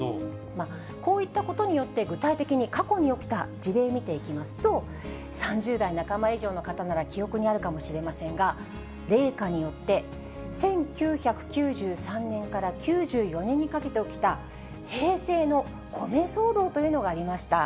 こういったことによって、具体的に過去に起きた事例、見ていきますと、３０代半ば以上の方なら記憶にあるかもしれませんが、冷夏によって、１９９３年から９４年にかけて起きた平成の米騒動というのがありました。